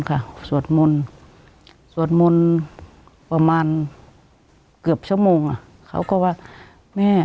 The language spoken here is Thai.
ค่ะสวดมุนสวดมุนประมาณเกือบชั่วโมงอะเขาก็ว่าแม่